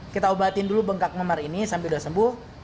kita obatin dulu bengkak memar ini sampai udah sembuh